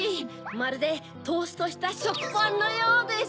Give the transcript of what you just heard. まるでトーストしたしょくパンのようです。